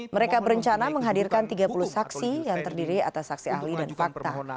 mereka berencana menghadirkan tiga puluh saksi yang terdiri atas saksi ahli dan fakta